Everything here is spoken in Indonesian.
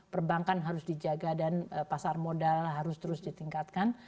perbankan harus dijaga dan pasar modal harus terus ditingkatkan